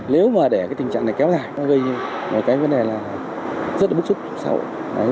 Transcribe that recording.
nếu mà để tình trạng này kéo dài nó gây ra một cái vấn đề rất là bức xúc xã hội